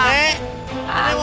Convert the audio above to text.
nek mau mandi nek